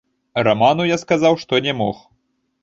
Раману я сказаў, што не мог.